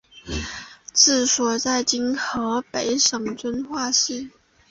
治所在今河北省遵化市。